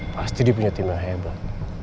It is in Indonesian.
pasti dia punya tim yang hebat